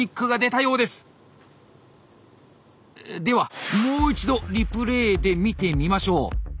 ではもう一度リプレーで見てみましょう。